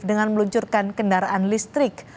dengan meluncurkan kendaraan listrik